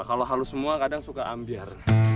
kalau halus semua kadang suka ambiar